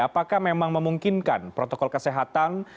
apakah memang memungkinkan protokol kesehatan